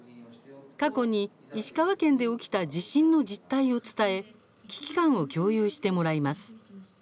過去に石川県で起きた地震の実態を伝え危機感を共有してもらいます。